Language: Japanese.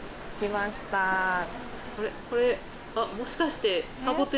これもしかして。